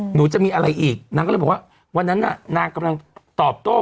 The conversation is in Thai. หนูจะมีอะไรอีกนางก็เลยบอกว่าวันนั้นน่ะนางกำลังตอบโต้